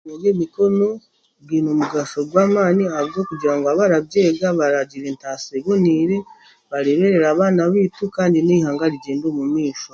Eby'emikono byaine omugasho gwamaani ahabwokugira abarabyega baragira entasya ebonaire bareeberere abana baitu kandi n'eihanga rigyende omu maisho